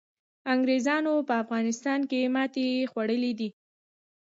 انګریزانو په افغانستان کي ماتي خوړلي ده.